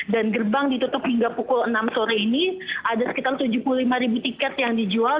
dan gerbang ditutup hingga pukul enam sore ini ada sekitar tujuh puluh lima ribu tiket yang dijual